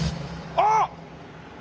あっ！